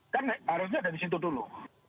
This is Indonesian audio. kan harusnya dari situ dulu